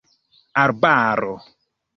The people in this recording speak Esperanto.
arbaro